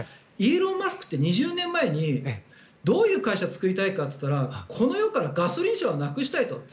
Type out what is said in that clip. イーロン・マスクって２０年前にどういう会社を作りたいかっていったらこの世からガソリン車をなくしたいと。